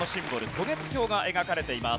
渡月橋が描かれています。